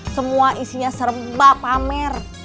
semua isinya serba pamer